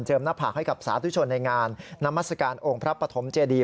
หน้าผากให้กับสาธุชนในงานนามัศกาลองค์พระปฐมเจดี